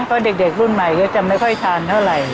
เพราะเด็กรุ่นใหม่ก็จะไม่ค่อยทานเท่าไหร่